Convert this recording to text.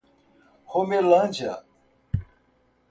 Romelândia